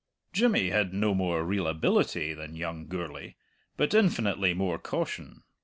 Jimmy had no more real ability than young Gourlay, but infinitely more caution.